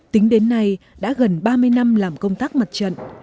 tính đến nay đã gần ba mươi năm làm công tác mặt trận